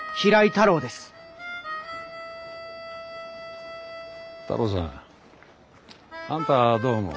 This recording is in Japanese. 太郎さんあんたはどう思う？